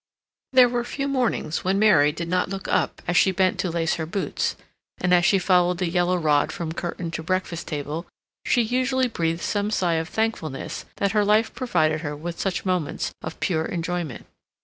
There were few mornings when Mary did not look up, as she bent to lace her boots, and as she followed the yellow rod from curtain to breakfast table she usually breathed some sigh of thankfulness that her life provided her with such moments of pure enjoyment.